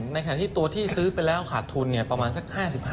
ในขณะที่ตัวที่ซื้อไปแล้วขาดทุนประมาณสัก๕๕